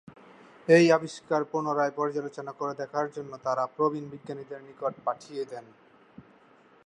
এই আবিষ্কার পুনরায় পর্যালোচনা করে দেখার জন্য, তারা "প্রবীণ বিজ্ঞানীদের" নিকট পাঠিয়ে দেন।